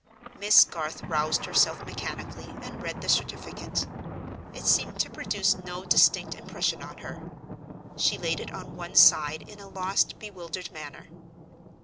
Miss Garth roused herself mechanically, and read the certificate. It seemed to produce no distinct impression on her: she laid it on one side in a lost, bewildered manner.